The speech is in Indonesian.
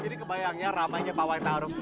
jadi kebayangnya ramainya pawai ita'aruf